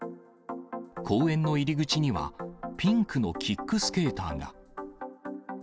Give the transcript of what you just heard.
公園の入り口には、ピンクのキックスケーターが。